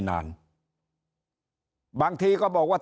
ถ้าท่านผู้ชมติดตามข่าวสาร